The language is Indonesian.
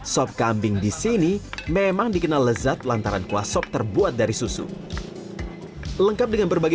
sop kambing di sini memang dikenal lezat lantaran kuah sop terbuat dari susu lengkap dengan berbagai